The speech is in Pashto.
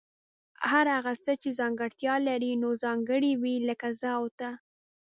هر هغه څه چي ځانګړتیا لري نو ځانګړي وي لکه زه او ته